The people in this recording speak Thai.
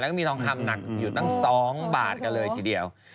แล้วก็มีทองคำหนักอยู่ตั้ง๒บาทกันเลยทีเดียว